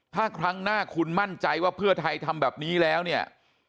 ถ้าครั้งหน้าคุณมั่นใจว่าเพื่อไทยทำแบบนี้แล้วเนี่ย